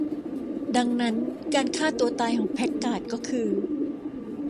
ดังนั้นการฆ่าตัวตายของแพคการ์ดก็คือ